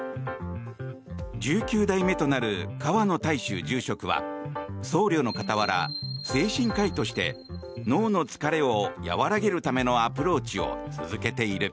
１９代目となる川野泰周住職は僧侶の傍ら、精神科医として脳の疲れを和らげるためのアプローチを続けている。